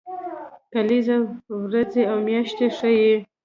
کلیزه ورځې او میاشتې ښيي